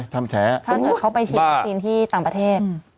ท่านเขาไปฉีดอุปสรีนที่ต่างประเทศ